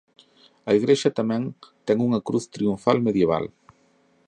A igrexa tamén ten unha cruz triunfal medieval.